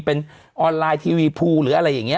เป็นออนไลน์ทีวีภูหรืออะไรอย่างนี้